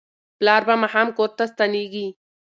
پلار به ماښام کور ته ستنیږي.